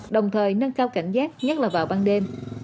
đồng thời nâng cao cảnh giác nhất là vào ban đêm